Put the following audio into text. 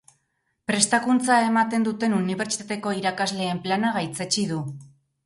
Prestakuntza ematen duten Unibertsitateko Irakasleen Plana gaitzetsi du.